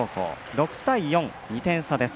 ６対４、２点差です。